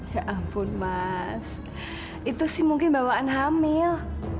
ya ampun mas itu sih mungkin bawaan hamil